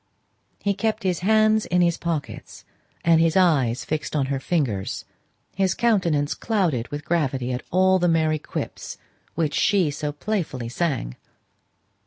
He kept his hands in his pockets and his eyes fixed on her fingers; his countenance clouded with gravity at all the merry quips which she so playfully sang.